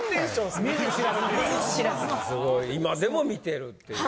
すごい今でも見てるっていうね。